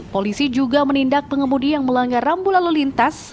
polisi juga menindak pengemudi yang melanggar rambu lalu lintas